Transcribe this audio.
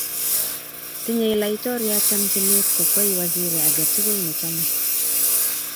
Tinyei laitoriat chamchine kokwei waziri age tugul ne chomei.